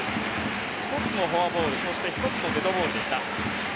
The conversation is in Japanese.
１つのフォアボール、そして１つのデッドボールでした。